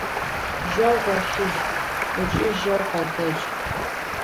Жьэу гъолъыжь ыкӏи жьэу къэтэдж!